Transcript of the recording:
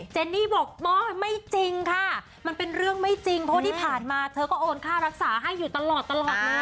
เนนี่บอกไม่จริงค่ะมันเป็นเรื่องไม่จริงเพราะว่าที่ผ่านมาเธอก็โอนค่ารักษาให้อยู่ตลอดตลอดเลย